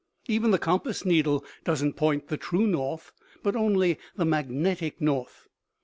Even the compass needle doesn't point the true north, but only the magnetic north.